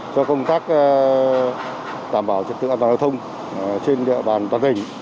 cho công tác đảm bảo trật tượng an toàn giao thông trên địa bàn đoàn hình